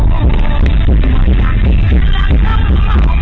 หมอดพามีรักของหน้าอ้ามน้อย